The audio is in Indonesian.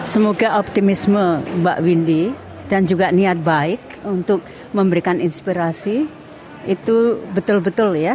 semoga optimisme mbak windy dan juga niat baik untuk memberikan inspirasi itu betul betul ya